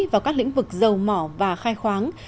vào các lĩnh vực dầu mỏ và khai khoáng